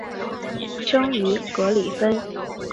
生于格里芬。